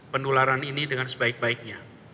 penularan ini dengan sebaik baiknya